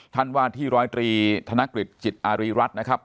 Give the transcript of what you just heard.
ท่านว่าที่๑๐๓ธนกฤทธิ์จิตอาริรัตินะครับ